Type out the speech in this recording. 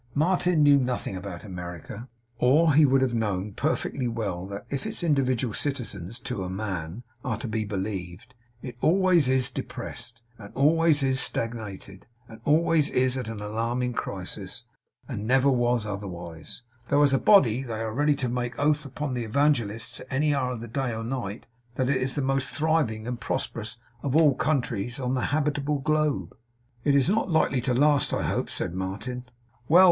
Martin knew nothing about America, or he would have known perfectly well that if its individual citizens, to a man, are to be believed, it always IS depressed, and always IS stagnated, and always IS at an alarming crisis, and never was otherwise; though as a body they are ready to make oath upon the Evangelists at any hour of the day or night, that it is the most thriving and prosperous of all countries on the habitable globe. 'It's not likely to last, I hope?' said Martin. 'Well!